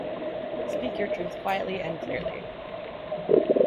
Speak your truth quietly and clearly